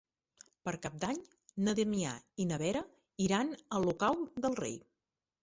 Per Cap d'Any na Damià i na Vera iran a Olocau del Rei.